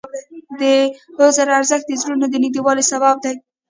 د عذر ارزښت د زړونو د نږدېوالي سبب دی.